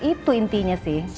itu intinya sih